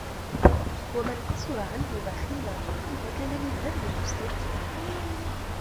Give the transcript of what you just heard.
وَمَنْ قَصُرَ عَنْهُ بَخِيلًا وَكَانَ لِلذَّمِّ مُسْتَوْجِبًا